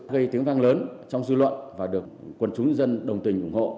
gây tiếng vang lớn trong dư luận và được quần chúng nhân dân đồng tình ủng hộ